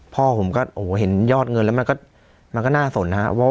พ่อผมก็โอ้โหเห็นยอดเงินแล้วมันก็น่าสนนะครับ